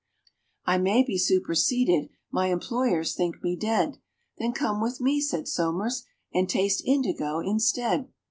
I may be superseded my employers think me dead!" "Then come with me," said SOMERS, "and taste indigo instead."